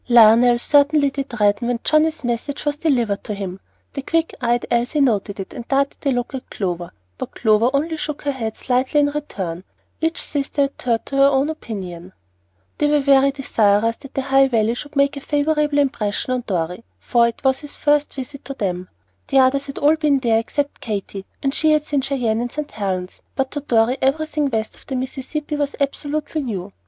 LIONEL certainly did redden when Johnnie's message was delivered to him. The quick eyed Elsie noted it and darted a look at Clover, but Clover only shook her head slightly in return. Each sister adhered to her own opinion. They were very desirous that the High Valley should make a favorable impression on Dorry, for it was his first visit to them. The others had all been there except Katy, and she had seen Cheyenne and St. Helen's, but to Dorry everything west of the Mississippi was absolutely new.